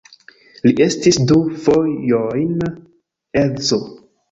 Li estis du fojojn edzo.